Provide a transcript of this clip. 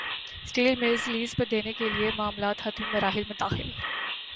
steel mills lease پر دینے کیلئے معاملات حتمی مراحل میں داخل